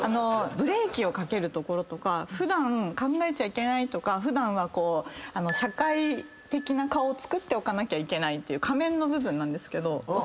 ブレーキをかけるところとか普段考えちゃいけないとか普段は社会的な顔をつくっておかなきゃいけないっていう仮面の部分なんですけど。